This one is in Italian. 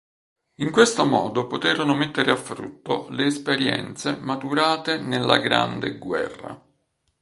In questo modo poterono mettere a frutto le esperienze maturate nella Grande Guerra.